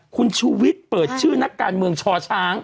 คุณชูวิทย์เปิดชื่อนักการเมืองชอช้าง